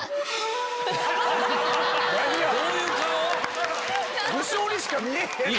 どういう顔⁉武将にしか見えへんって。